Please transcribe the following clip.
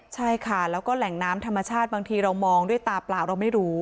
ใช่ค่ะแล้วก็แหล่งน้ำธรรมชาติบางทีเรามองด้วยตาเปล่าเราไม่รู้